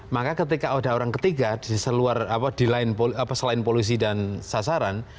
maka ketika ada orang ketiga selain polisi dan sasaran